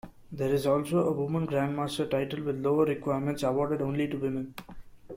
There is also a Woman Grandmaster title with lower requirements awarded only to women.